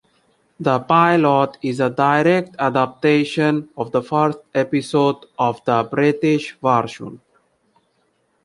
The pilot is a direct adaptation of the first episode of the British version.